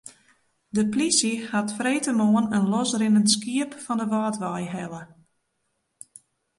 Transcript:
De polysje hat freedtemoarn in losrinnend skiep fan de Wâldwei helle.